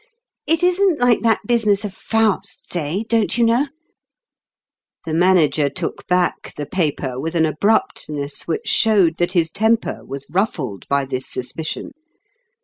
... It isn't like that business of Faust's, eh, don't you know ?" The Manager took back the paper with an abruptness which showed that his temper was ruined by this suspicion.